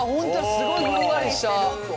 すごいふんわりした。